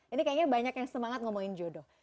ini kayaknya banyak yang semangat ngomongin jodoh